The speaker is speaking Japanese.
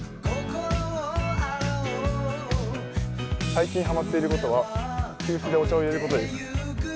最近ハマっていることは、急須でお茶を入れることです。